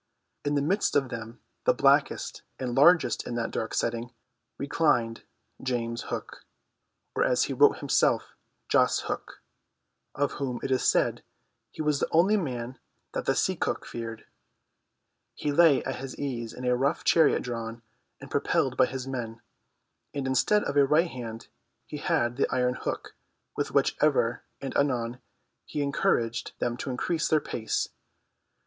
In the midst of them, the blackest and largest in that dark setting, reclined James Hook, or as he wrote himself, Jas. Hook, of whom it is said he was the only man that the Sea Cook feared. He lay at his ease in a rough chariot drawn and propelled by his men, and instead of a right hand he had the iron hook with which ever and anon he encouraged them to increase their pace.